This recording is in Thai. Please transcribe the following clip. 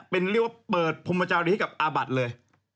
เป็นเรียกว่าเปิดพรมจารีให้กับอาบัติเลย